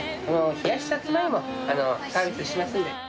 冷やしさつまいもサービスしてますので。